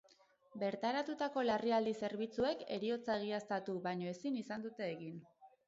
Bertaratutako larrialdi zerbitzuek heriotza egiaztatu baino ezin izan dute egin.